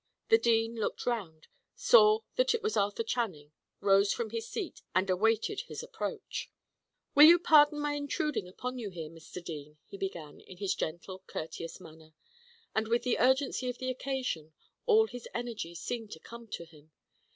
The dean looked round, saw that it was Arthur Channing, rose from his seat, and awaited his approach. "Will you pardon my intruding upon you here, Mr. Dean?" he began, in his gentle, courteous manner; and with the urgency of the occasion, all his energy seemed to come to him.